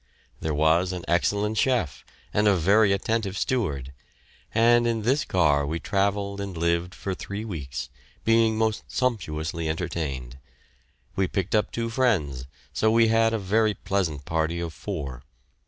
There was an excellent chef and a very attentive steward; and in this car we travelled and lived for three weeks, being most sumptuously entertained. We picked up two friends, so we had a very pleasant party of four.